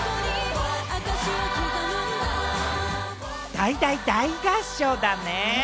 大、大、大合唱だね。